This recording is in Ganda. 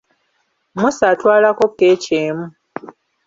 Musa atwalako keeki emu.